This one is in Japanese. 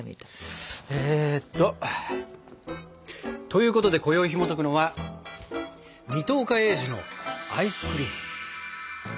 えっと。ということでこよいひもとくのは「水戸岡鋭治のアイスクリーム」。